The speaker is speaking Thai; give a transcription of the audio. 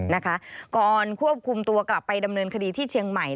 นะคะก่อนควบคุมตัวกลับไปดำเนินคดีที่เชียงใหม่